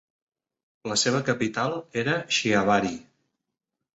La seva capital era Chiavari.